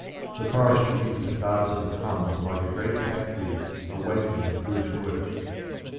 The forest begins to buzz and hum like a great factory awaking to its work.